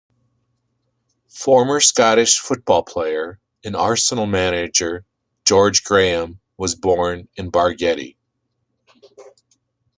Former Scottish football player and Arsenal manager George Graham was born in Bargeddie.